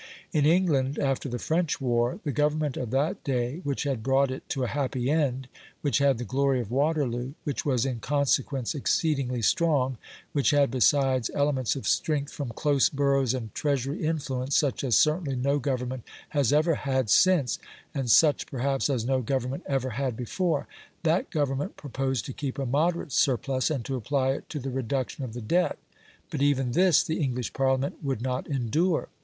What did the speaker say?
In England, after the French war, the Government of that day, which had brought it to a happy end, which had the glory of Waterloo, which was in consequence exceedingly strong, which had besides elements of strength from close boroughs and Treasury influence such as certainly no Government has ever had since, and such perhaps as no Government ever had before that Government proposed to keep a moderate surplus and to apply it to the reduction of the debt, but even this the English Parliament would not endure.